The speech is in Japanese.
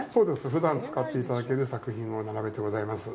ふだん使っていただける作品を並べてございます。